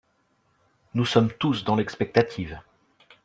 Nous sommes tous dans l’expectative